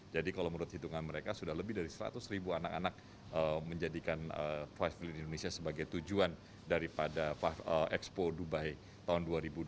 jadi kalau menurut hitungan mereka sudah lebih dari seratus anak anak menjadikan pavilion indonesia sebagai tujuan daripada expo dubai tahun dua ribu dua puluh satu ini